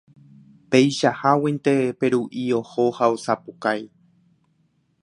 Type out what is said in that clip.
Peichaháguinte Peru'i oho ha osapukái.